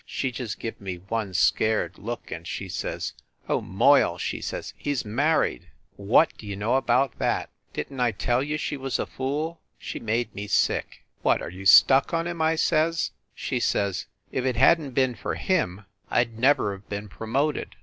She just give me one scared look, and she says, "Oh, Moyle," she says, "he s married!" What d you know about that ! Didn t I tell you she was a fool ? She made me sick. "What, are you stuck on him?" I says. She says, "If it hadn t been for him, I d never have been promoted."